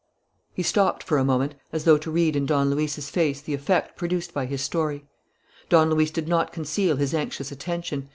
He stopped for a moment, as though to read in Don Luis's face the effect produced by his story. Don Luis did not conceal his anxious attention.